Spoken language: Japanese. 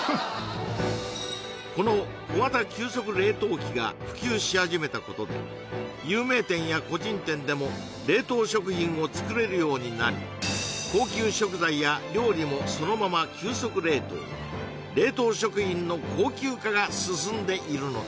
この小型急速冷凍機が普及しはじめたことで有名店や個人店でも冷凍食品を作れるようになり高級食材や料理もそのまま急速冷凍高級化